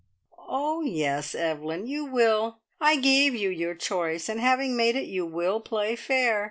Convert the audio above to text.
"Oh, yes, Evelyn, you will! I gave you your choice, and having made it you will play fair.